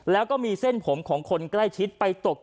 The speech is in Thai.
แล้วก็มีเส้นผมของคนใกล้ชิดไปตก